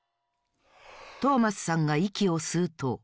トーマスさんがいきをすうと。